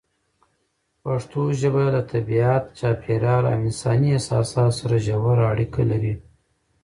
پښتو ژبه له طبیعت، چاپېریال او انساني احساساتو سره ژوره اړیکه لري.